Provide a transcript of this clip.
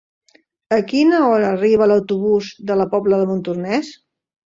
A quina hora arriba l'autobús de la Pobla de Montornès?